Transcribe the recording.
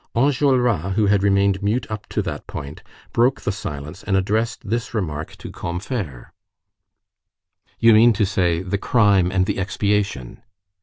Enjolras, who had remained mute up to that point, broke the silence and addressed this remark to Combeferre:— "You mean to say, the crime and the expiation."